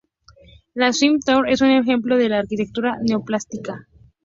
La Smith Tower es un ejemplo de la arquitectura neoclásica.